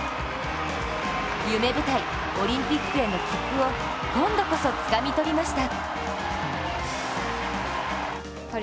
夢舞台・オリンピックへの切符を今度こそつかみ取りました。